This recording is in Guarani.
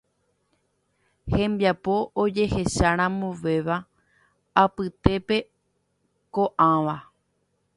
Hembiapo ojehecharamovéva apytépe oĩ ko'ãva